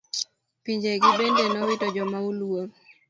Pinje gi bende nowito joma oluor.